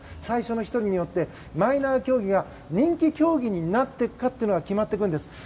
最初の１人によってマイナー競技が人気競技になっていったというのが決まっていくんです。